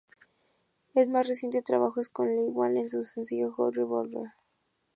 Su más reciente trabajo es con Lil Wayne en su sencillo "Hot Revolver".